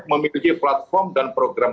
memiliki platform dan program